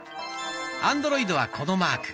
アンドロイドはこのマーク。